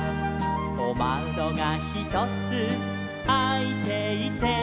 「おまどがひとつあいていて」